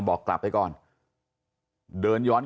ครับคุณสาวทราบไหมครับ